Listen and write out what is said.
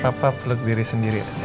papa peluk diri sendiri aja